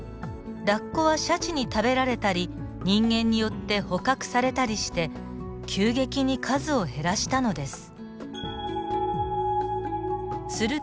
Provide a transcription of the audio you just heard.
ラッコはシャチに食べられたり人間によって捕獲されたりして急激に数を減らしたのです。